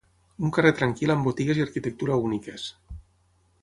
Un carrer tranquil amb botigues i arquitectura úniques.